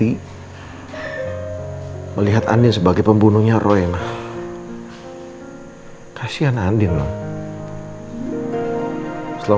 pemeriksaan negara masing masing bu alam